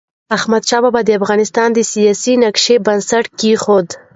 احمدشاه بابا د افغانستان د سیاسی نقشې بنسټ کيښود.